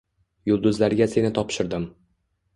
Yulduzlarga seni topshirdim.